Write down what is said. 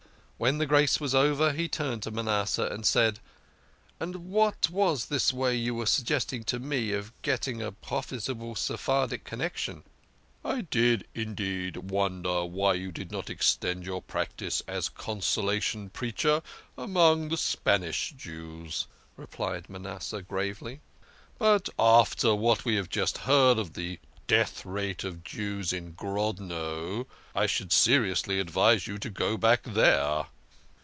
When grace was over he turned to Manasseh and said, " And what was this way you were suggesting to me of getting a profitable Sephardic connection?" " I did, indeed, wonder why you did not extend your practice as consolation preacher among the Spanish Jews," THE KING OF SCHNORRERS. 99 replied Manasseh gravely. " But after what we have just heard of the death rate of Jews in Grodno, I should seri ously advise you to go back there."